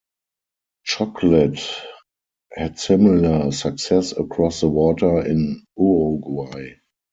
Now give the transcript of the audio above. Chocolate had similar success across the water in Uruguay.